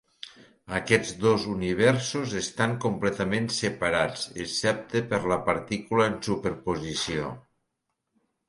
Aquests dos universos estan completament separats excepte per la partícula en superposició.